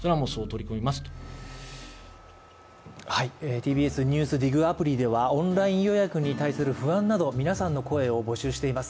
「ＴＢＳＮＥＷＳＤＩＧ」アプリではオンライン予約に対する不安など、皆さんの声を募集しています。